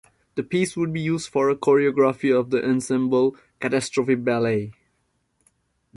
The piece would be used for a choreography of the ensemble "Katastrophe Ballet".